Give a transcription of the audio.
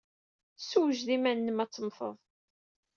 Ssewjed iman-nnem ad temmteḍ!